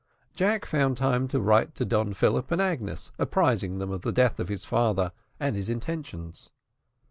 Jack found time to write to Don Philip and Agnes, apprising them of the death of his father, and his intentions.